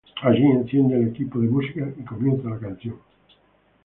Allí, enciende el equipo de música y comienza la canción.